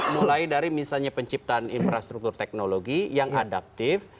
mulai dari misalnya penciptaan infrastruktur teknologi yang adaptif